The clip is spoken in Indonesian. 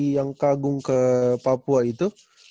yang kagum ke papua itu